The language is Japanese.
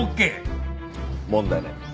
問題ない。